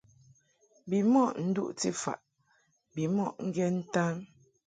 Bimɔʼ nduʼti faʼ bimɔʼ ŋgen ntan.